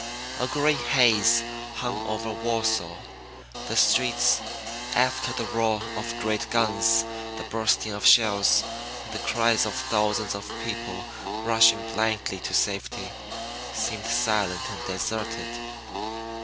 A gray haze hung over Warsaw. The streets, after the roar of great guns, the bursting of shells, and the cries of thousands of people rushing blindly to safety, seemed silent and deserted.